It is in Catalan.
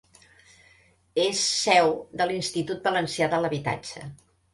És seu de l'Institut Valencià de l'Habitatge.